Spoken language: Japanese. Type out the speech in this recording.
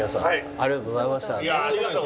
ありがとうございます。